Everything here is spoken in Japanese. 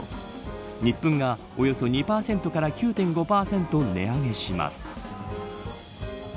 ニップンが、およそ２％から９．５％値上げします。